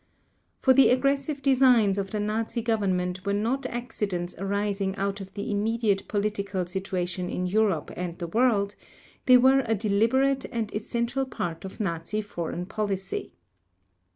For the aggressive designs of the Nazi Government were not accidents arising out of the immediate political situation in Europe and the world; they were a deliberate and essential part of Nazi foreign policy.